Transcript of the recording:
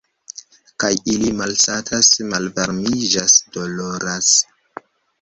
Kaj ili malsatas, malvarmiĝas, doloras.